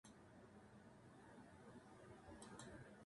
とっても素敵。じゃあ全部あげよう。